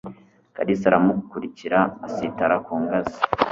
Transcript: Kalisa aramukurikira asitara ku ngazi.